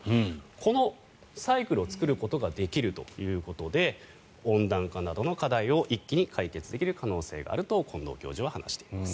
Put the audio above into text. このサイクルを作ることができるということで温暖化などの課題を一気に解決できる可能性があると近藤教授は話しています。